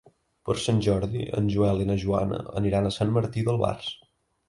Per Sant Jordi en Joel i na Joana aniran a Sant Martí d'Albars.